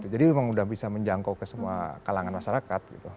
jadi memang udah bisa menjangkau ke semua kalangan masyarakat gitu